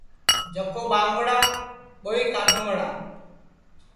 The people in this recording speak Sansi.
جکو ٻوؤنگڑا ٻُوئی کاٹُونگڑا